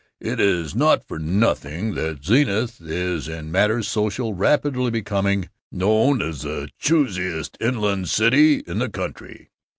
It is not for nothing that Zenith is in matters social rapidly becoming known as the choosiest inland city in the country.